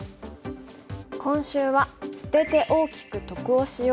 今週は「捨てて大きく得をしよう」。